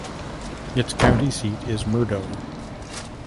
Its county seat is Murdo.